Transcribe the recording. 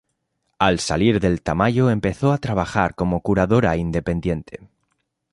Al salir del Tamayo empezó a trabajar como curadora independiente.